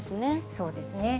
そうですね。